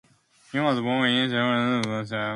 Hinman was born in Springfield, Massachusetts.